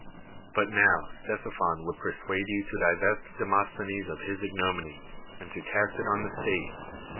But now Ctosiphon would per suade you to divest Demosthenes of his iLcrom iny, and to cast it on the state.